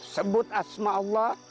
sebut asma allah